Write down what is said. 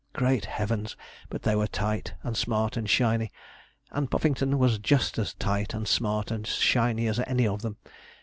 Great Heavens! but they were tight, and smart, and shiny; and Puffington was just as tight, and smart, and shiny as any of them.